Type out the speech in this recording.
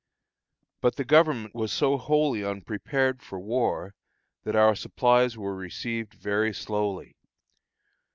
But the Government was so wholly unprepared for war, that our supplies were received very slowly.